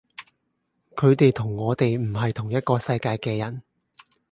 佢哋同我哋唔係同一個世界嘅人